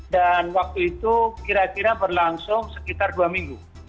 dan waktu itu kira kira berlangsung sekitar dua minggu